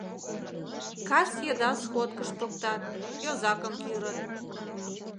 Кас еда сходкыш поктат, йозакым кӱрыт.